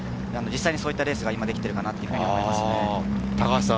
実際にそういうレースが今、できているかなと思いますね。